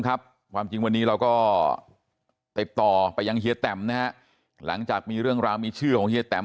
ความจริงวันนี้เราก็ติดต่อไปยังเฮียแตมนะฮะหลังจากมีเรื่องราวมีชื่อของเฮียแตม